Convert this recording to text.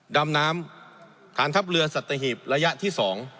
ดำน้ำฐานทัพเรือสัตหีบระยะที่๒